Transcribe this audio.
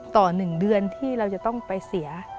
๑เดือนที่เราจะต้องไปเสีย